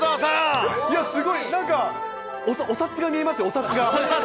いや、すごい、なんかお札が見えます、お札が。